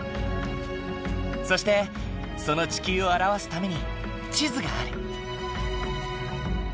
そしてその地球を表すために地図がある。